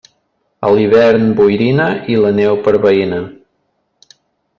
A l'hivern boirina i la neu per veïna.